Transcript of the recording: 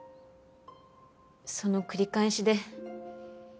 その繰り返しで。